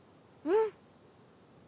うん。